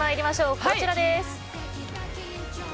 こちらです。